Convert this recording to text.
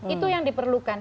itu yang diperlukan